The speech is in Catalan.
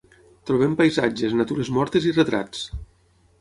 Trobem paisatges, natures mortes i retrats.